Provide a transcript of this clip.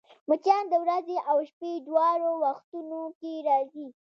مچان د ورځي او شپې دواړو وختونو کې راځي